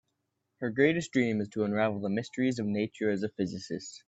Her greatest dream is to unravel the mysteries of nature as a physicist.